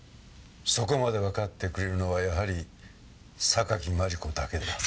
そこまでわかってくれるのはやはり榊マリコだけだ。